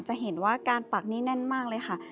จะเห็นว่าการปักนี้แน่นมากเลยค่ะ